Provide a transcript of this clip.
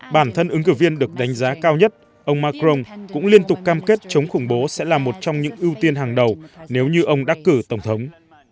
bản thân ứng cử viên được đánh giá cao nhất ông macron cũng liên tục cam kết chống khủng bố sẽ là một trong những ưu tiên hàng đầu nếu như ông đắc cử tổng thống